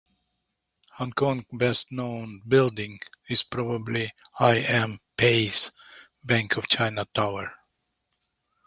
Hong Kong's best-known building is probably I. M. Pei's Bank of China Tower.